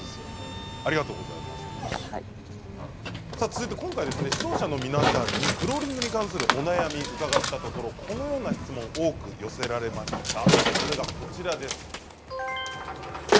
続いて今回視聴者の皆さんにフローリングに関するお悩みを伺ったところこんな質問が多く寄せられました。